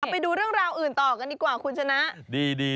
ไปดูเรื่องราวอื่นต่อกันดีกว่าคุณชนะ